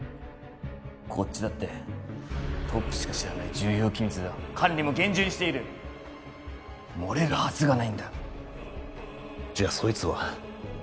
こっちだってトップしか知らない重要機密だ管理も厳重にしている漏れるはずがないんだじゃそいつは？